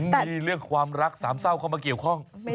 มีเรื่องความรักสามเศร้าเข้ามาเกี่ยวข้อง